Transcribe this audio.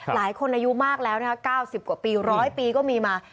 อายุมากแล้วนะคะ๙๐กว่าปี๑๐๐ปีก็มีมา